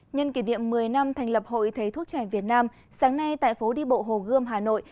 nhân kỷ niệm một mươi năm thành lập hội thầy thuốc trẻ việt nam sáng nay tại phố đi bộ hồ gươm hà nội